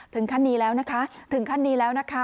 ถึงขั้นนี้แล้วนะคะถึงขั้นนี้แล้วนะคะ